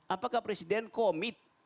apakah presiden komit